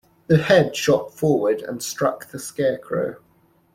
The Head shot forward and struck the Scarecrow.